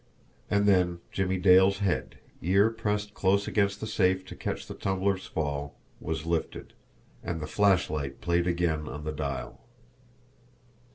And then Jimmie Dale's head, ear pressed close against the safe to catch the tumbler's fall, was lifted and the flashlight played again on the dial.